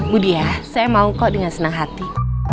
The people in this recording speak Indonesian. bu diah saya mau kok dengan senang hati